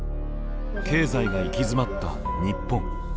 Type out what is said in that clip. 経済が行き詰まった日本。